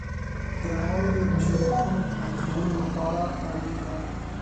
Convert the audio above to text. درناوی د بشري حقونو د خوندي کولو لپاره اړین دی.